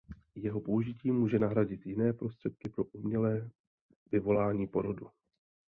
Jeho použití může nahradit jiné prostředky pro umělé vyvolání porodu.